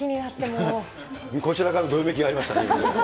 こちらからもどよめきがありましたね。